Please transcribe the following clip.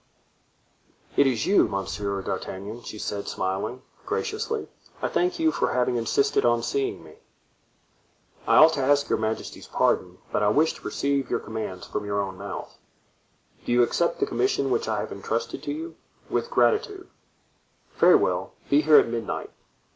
"It is you, Monsieur D'Artagnan," she said, smiling graciously; "I thank you for having insisted on seeing me." "I ought to ask your majesty's pardon, but I wished to receive your commands from your own mouth." "Do you accept the commission which I have intrusted to you?" "With gratitude." "Very well, be here at midnight."